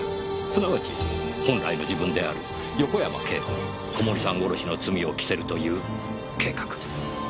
すなわち本来の自分である横山慶子に小森さん殺しの罪を着せるという計画。